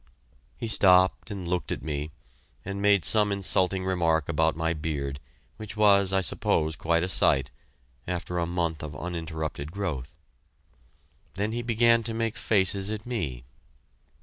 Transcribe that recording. He stopped and looked at me, and made some insulting remark about my beard, which was, I suppose, quite a sight, after a month of uninterrupted growth. Then he began to make faces at me.